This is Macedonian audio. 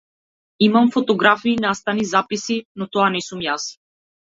Имам фотографии, настани, записи, но тоа не сум јас.